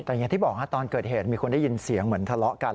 แต่อย่างที่บอกตอนเกิดเหตุมีคนได้ยินเสียงเหมือนทะเลาะกัน